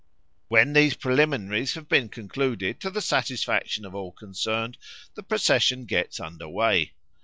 When these preliminaries have been concluded to the satisfaction of all concerned, the procession gets under weigh.